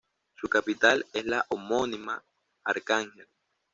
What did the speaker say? Su capital es la homónima Arcángel.